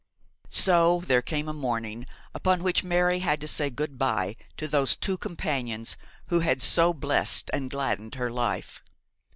So there came a morning upon which Mary had to say good bye to those two companions who had so blest and gladdened her life.